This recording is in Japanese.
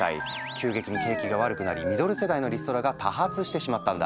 急激に景気が悪くなりミドル世代のリストラが多発してしまったんだ。